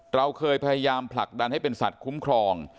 เราเคยพยายามผลักดันให้เป็นสัตว์คุ้มครอง